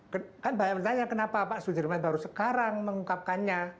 kan banyak bertanya kenapa pak sudirman baru sekarang mengungkapkannya